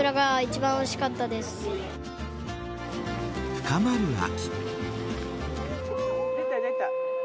深まる秋。